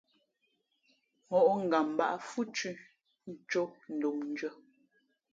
Mǒʼ ngam mbǎʼ fhʉ́ thʉ́ tʉ̄ ncō ndomndʉ̄ᾱ.